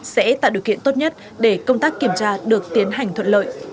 sẽ tạo điều kiện tốt nhất để công tác kiểm tra được tiến hành thuận lợi